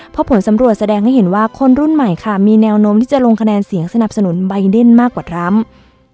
พอผลสำรวจแสดงให้เห็นว่าคนรุ่นใหม่ค่ะมีแนวโน้มที่จะลงคะแนนเสียงสนับสนุนใบเดนมากกว่าทรัมป์